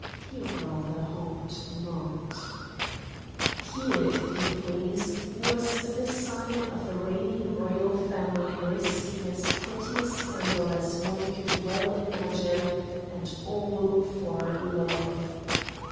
He rather hoped not ... Here, if you please, was the scion of a reigning royal family risking as pretty a scandal as one could well imagine—and all for love!